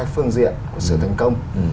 hai phương diện của sự thành công